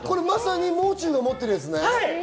まさにもう中が持ってるやつね。